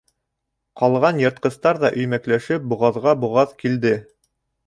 Ҡалған йыртҡыстар ҙа өймәкләшеп боғаҙға боғаҙ килде.